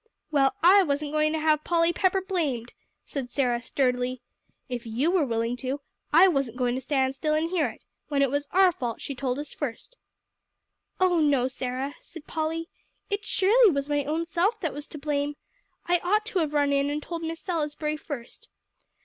"Well, I wasn't going to have Polly Pepper blamed," said Sarah sturdily. "If you were willing to, I wasn't going to stand still and hear it, when it was our fault she told us first." "Oh, no, Sarah," said Polly, "it surely was my own self that was to blame. I ought to have run in and told Miss Salisbury first.